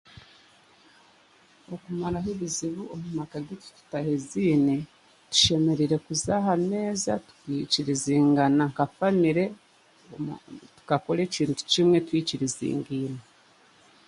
Okumaraho ebizimu omu maka gaitu tutahaiziine, tushemereire kuza aha meeza tukaikirizingana nka famire tukakora ekintu kimwe twikirizingaine